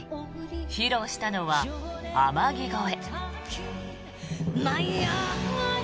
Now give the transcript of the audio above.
披露したのは「天城越え」。